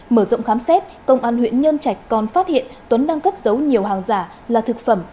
mở rộng khám xét công an huyện nhân trạch còn phát hiện tuấn đang cất giấu nhiều hàng giả là thực phẩm